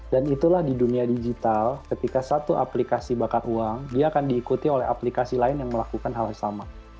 dan itulah di dunia digital ketika satu aplikasi bakar uang dia akan diikuti oleh aplikasi lain yang melakukan hal yang sama